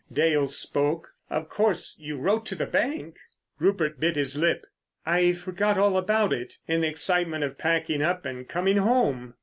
Dale spoke. "Of course you wrote to the bank?" Rupert bit his lip. "I forgot all about it—in the excitement of packing up and coming home."